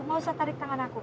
gak usah tarik tangan aku